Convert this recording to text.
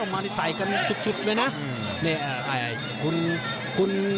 ออกมาใส่กันสุดจุด